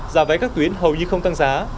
giả vé các tuyến hầu như không tăng giá